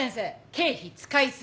経費使い過ぎ。